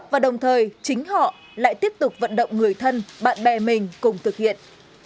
và đồng thời chính họ lại tiếp tục vận động người thân bạn bè mình cùng thực hiện